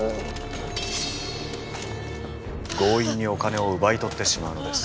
強引にお金を奪い取ってしまうのです。